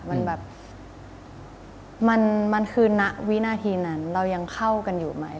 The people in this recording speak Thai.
มันแบบมันคือณวินาทีนั้นเรายังเข้ากันอยู่ไหม